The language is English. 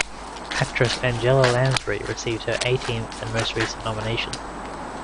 Actress Angela Lansbury received her eighteenth and most recent nomination.